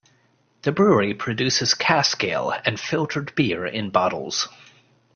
The brewery produces cask ale and filtered beer in bottles.